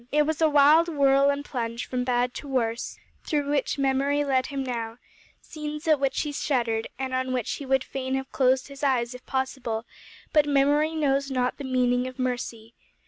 It was a wild whirl and plunge from bad to worse through which Memory led him now scenes at which he shuddered and on which he would fain have closed his eyes if possible, but Memory knows not the meaning of mercy.